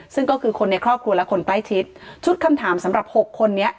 ซึ่งก็คือคนในครอบครัวและคนใกล้ชิดชุดคำถามสำหรับหกคนนี้